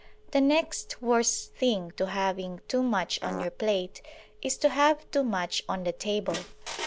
The next worse thing to having too much on your plate is to have too much on the table.